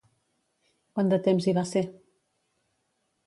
Quant de temps hi va ser?